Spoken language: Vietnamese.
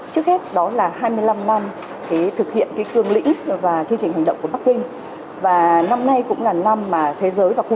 thực hiện chương trình nghị sự hai nghìn ba mươi